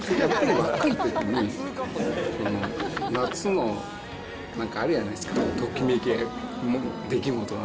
若いときに、夏の、なんかあるやないですか、ときめき、出来事が。